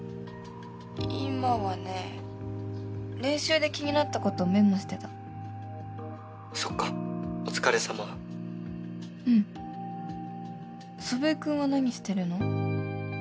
☎今はね練習で気になったことメモしてた☎そっかお疲れさまうん祖父江君は何してるの？